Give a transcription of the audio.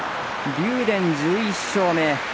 竜電が１１勝目。